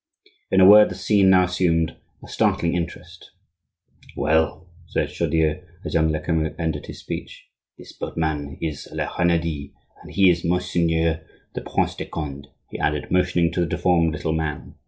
In a word, the scene now assumed a startling interest. "Well," said Chaudieu, as young Lecamus ended his speech, "this boatman is La Renaudie. And here is Monsiegneur the Prince de Conde," he added, motioning to the deformed little man.